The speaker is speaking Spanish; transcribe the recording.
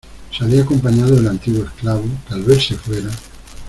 salí acompañado del antiguo esclavo, que , al verse fuera